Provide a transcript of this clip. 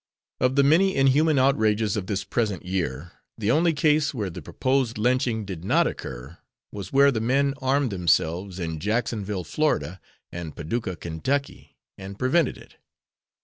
Of the many inhuman outrages of this present year, the only case where the proposed lynching did not occur, was where the men armed themselves in Jacksonville, Fla., and Paducah, Ky, and prevented it.